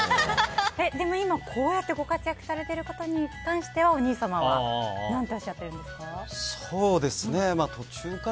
でも今、こうやってご活躍されていることに関してお兄様は何ておっしゃってるんですか？